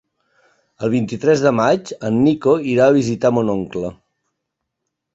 El vint-i-tres de maig en Nico irà a visitar mon oncle.